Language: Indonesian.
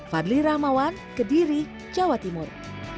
fadli rahmawan kediri jawa timur